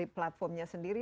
di platformnya sendiri